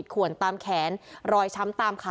ก็กลายเป็นว่าติดต่อพี่น้องคู่นี้ไม่ได้เลยค่ะ